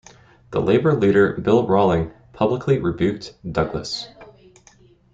The Labour leader Bill Rowling publicly rebuked Douglas.